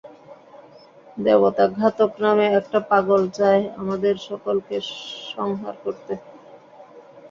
দেবতা ঘাতক নামে একটা পাগল চায় আমাদের সকলকে সংহার করতে।